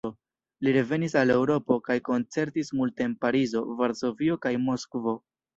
Li revenis al Eŭropo kaj koncertis multe en Parizo, Varsovio kaj Moskvo.